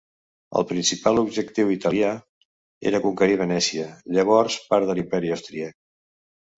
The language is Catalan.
El principal objectiu italià era conquerir Venècia, llavors part de l'Imperi Austríac.